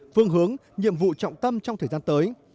phương hướng nhiệm vụ trọng tâm trong thời gian tới